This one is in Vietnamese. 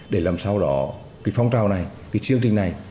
để làm sao đó phong trào này chương trình này